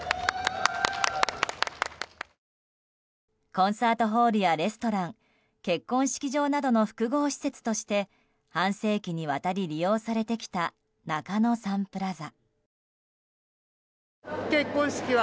コンサートホールやレストラン結婚式場などの複合施設として半世紀にわたり利用されてきた中野サンプラザ。